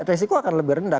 resiko akan lebih rendah